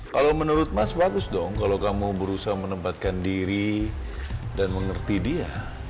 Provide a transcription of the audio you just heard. kalau menurut mas bagus dong kalau kamu berusaha menempatkan diri dan mengerti dia